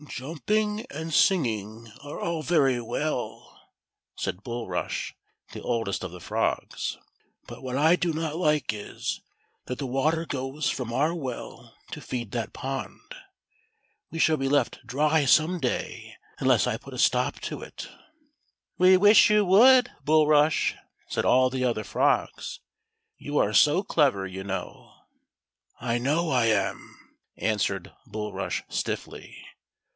"Jumping and singing are all very well," said Bul rush, the oldest of the frogs ;" but what I do not like is, that the water goes from our well to feed that pond. We shall be left dry some day unless I put a stop to it." ."We wish you would. Bulrush," said all the other frogs ;" 3'ou are so clever, you know." " I know I am," answered Bulrush stiffly.